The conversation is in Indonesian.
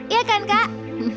ya kan kak